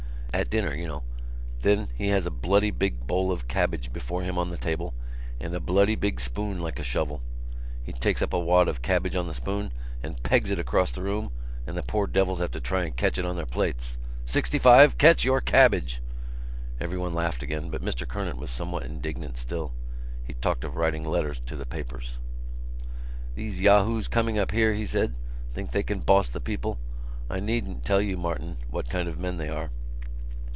"At dinner, you know. Then he has a bloody big bowl of cabbage before him on the table and a bloody big spoon like a shovel. He takes up a wad of cabbage on the spoon and pegs it across the room and the poor devils have to try and catch it on their plates: 65, catch your cabbage." Everyone laughed again: but Mr Kernan was somewhat indignant still. He talked of writing a letter to the papers. "These yahoos coming up here," he said, "think they can boss the people. I needn't tell you, Martin, what kind of men they are."